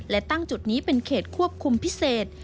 และตั้งจุดนี้เป็นเขตควบคุมพิเศษ